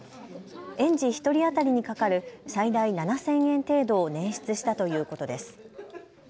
園児１人当たりにかかる最大７０００円程度を捻出したということです。